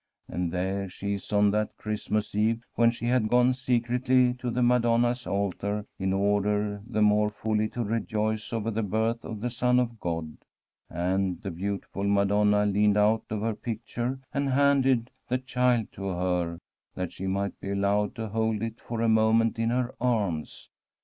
And there she is on that Christmas Eve when she had gone secretly to the Madonna's altar in order the more fully to rejoice over the birth of the Son of God, and the beautiful Ma donna leaned out of her picture and handed the Child to her that she might be allowed to hold it for a moment in her arms.